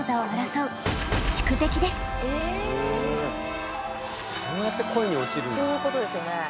そういうことですよね。